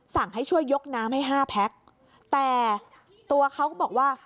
สั่งให้ช่วยยกน้ำให้ห้าแพ็คแต่ตัวเขาก็บอกว่า